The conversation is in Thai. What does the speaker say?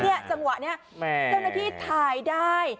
จังหวะนี้เจ้าหน้าที่ถ่ายได้